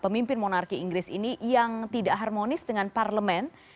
pemimpin monarki inggris ini yang tidak harmonis dengan parlemen